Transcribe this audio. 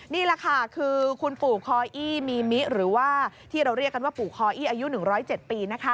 นี่แหละค่ะคือคุณปู่คออี้มีมิหรือว่าที่เราเรียกกันว่าปู่คออี้อายุ๑๐๗ปี